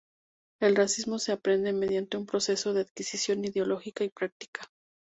El racismo se aprende mediante un proceso de adquisición ideológica y práctica.